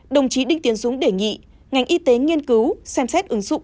đồng chí đinh tiến dũng đề nghị ngành y tế nghiên cứu xem xét ứng dụng